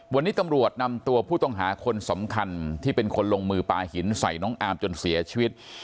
วันนี้ตำรวจนำตัวผู้ต้องหาคนสำคัญที่เป็นคนลงมือปลาหินใส่น้องอามจนเสียชีวิต